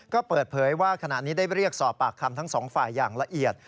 ก็เปิดเผยว่าขณะนี้ได้เรียกสอบปากคำทั้งสองฝ่ายอย่างละเอียด